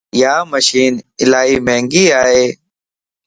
يا مشين الائي مھنگي ائي